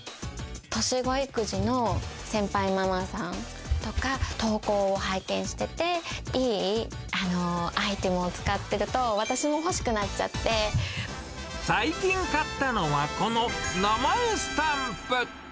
年子育児の先輩ママさんとか、投稿を拝見してて、いいアイテムを使ってると、最近買ったのは、この名前スタンプ。